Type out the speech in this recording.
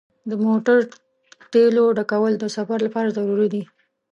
د موټر تیلو ډکول د سفر لپاره ضروري دي.